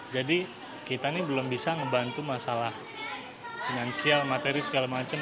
jadi kita belum bisa membantu masalah finansial materi segala macam